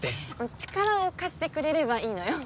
力を貸してくれればいいのよ。